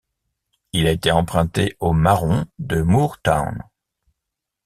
Il a été emprunté aux Marrons de Moore Town.